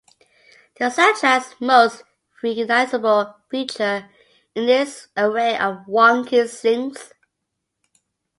The soundtrack's most recognizable feature is its array of wonky synths.